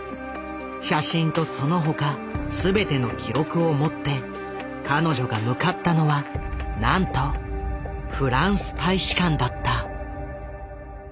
写真とその他全ての記録を持って彼女が向かったのはなんとフランス大使館だった。